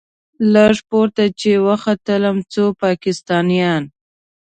لږ پورته چې وختلم څو پاکستانيان.